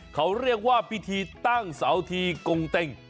เขาเรียกว่าพิธีตั้งเสาทีกงเต็ง